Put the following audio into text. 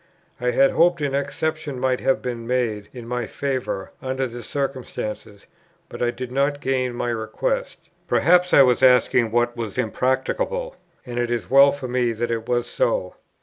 I had hoped an exception might have been made in my favour, under the circumstances; but I did not gain my request. Perhaps I was asking what was impracticable, and it is well for me that it was so.